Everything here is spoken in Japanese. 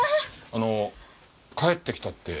あの帰ってきたって。